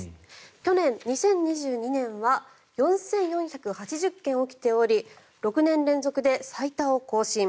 去年、２０２２年は４４８０件起きており６年連続で最多を更新。